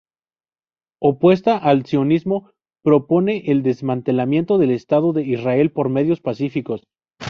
Opuesta al sionismo, propone el desmantelamiento del Estado de Israel por medios pacíficos.